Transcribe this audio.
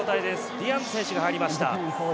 ディアンズ選手が入りました。